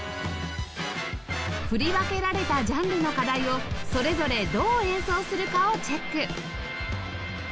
振り分けられたジャンルの課題をそれぞれどう演奏するかをチェック